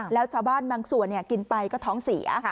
แล้วชาวบ้านบางส่วนกินไปก็ท้องเสีย